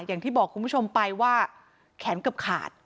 อย่างที่บอกคุณผู้ชมไปว่าแขนเกือบขาด